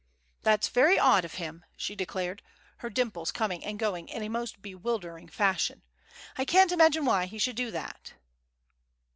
"That's very odd of him," she declared, her dimples coming and going in a most bewildering fashion. "I can't imagine why he should do that."